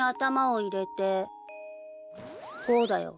こうだよ。